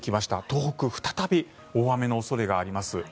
東北、再び大雨の恐れがあります。